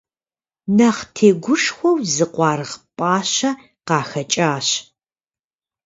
Нэхъ тегушхуэу зы къуаргъ пӀащэ къахэкӀащ.